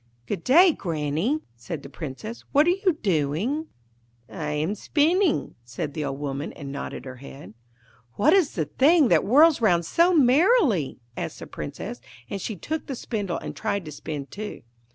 'Good day, Granny,' said the Princess; 'what are you doing?' 'I am spinning,' said the old woman, and nodded her head. 'What is the thing that whirls round so merrily?' asked the Princess; and she took the spindle and tried to spin too.